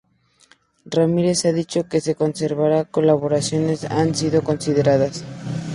Ramírez ha dicho que severas colaboraciones han sido consideradas.